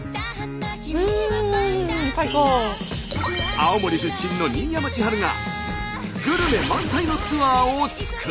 青森出身の新山千春がグルメ満載のツアーを作る。